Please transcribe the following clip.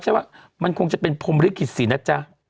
หรือว่ามันคงจะเป็นพรมฤกษ์สินะจ๊ะ